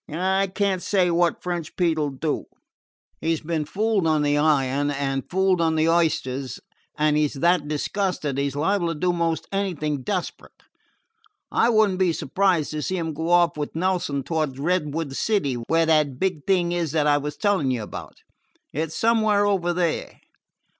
"I can't say what French Pete 'll do. He 's been fooled on the iron, and fooled on the oysters, and he 's that disgusted he 's liable to do 'most anything desperate. I would n't be surprised to see him go off with Nelson towards Redwood City, where that big thing is that I was tellin' you about. It 's somewhere over there."